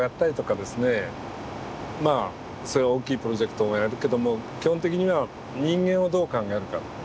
まあそれは大きいプロジェクトもやるけども基本的には人間をどう考えるか。